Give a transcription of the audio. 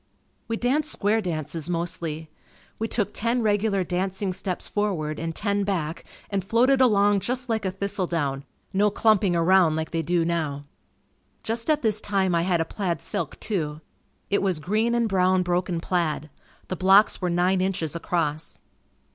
We danced square dances mostly. We took ten regular dancing steps forward and ten back and floated along just like a thistledown no clumping around like they do now. Just at this time, I had a plaid silk too. It was green and brown broken plaid. The blocks were nine inches across.